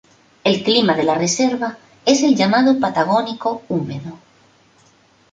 El clima de la reserva es el llamado Patagónico húmedo.